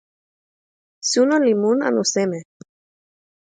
suno li mun anu seme?